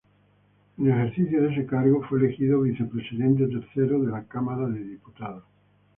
En ejercicio de ese cargo fue elegido Vicepresidente tercero de la Cámara de Diputados.